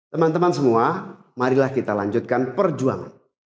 teman teman semua marilah kita lanjutkan perjuangan